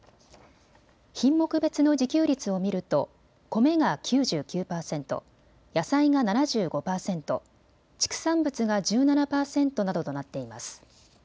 品目別の自給率を見ると米が９９％、野菜が７５％、畜産物が１７％などとなっています。